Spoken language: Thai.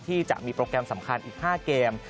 ที่จะมีโปรแกรมสำคัญอีก๕เกม